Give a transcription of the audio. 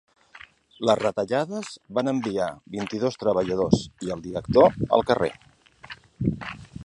Les retallades van enviar vint-i-dos treballadors i el director al carrer.